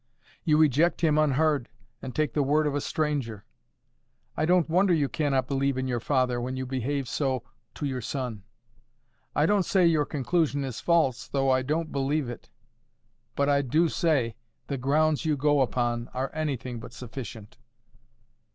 You reject him unheard, and take the word of a stranger! I don't wonder you cannot believe in your Father when you behave so to your son. I don't say your conclusion is false, though I don't believe it. But I do say the grounds you go upon are anything but sufficient."